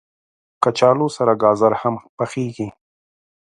کچالو سره ګازر هم پخېږي